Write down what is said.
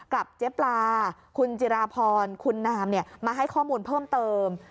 เจ๊ปลาคุณจิราพรคุณนามมาให้ข้อมูลเพิ่มเติม